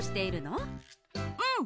うん！